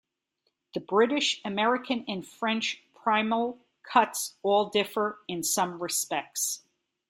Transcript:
The British, American and French primal cuts all differ in some respects.